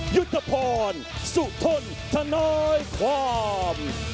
ยุตภพรสุธนธนายความ